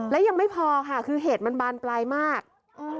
และยังไม่พอค่ะคือเหตุมันบานปลายมาก